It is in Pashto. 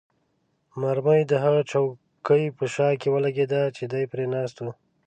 مرمۍ د هغه چوکۍ په شا کې ولګېده چې دی پرې ناست وو.